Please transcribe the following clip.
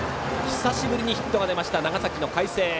久しぶりにヒットが出ました長崎の海星。